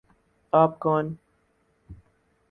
آپ کون